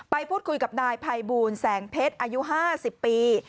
พูดคุยกับนายภัยบูลแสงเพชรอายุ๕๐ปี